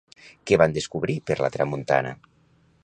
Què van descobrir per la Tramuntana?